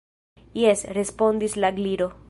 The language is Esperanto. "Jes," respondis la Gliro.